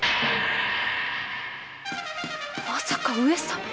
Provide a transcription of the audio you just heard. まさか上様。